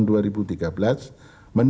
dan juga ppm toreblengd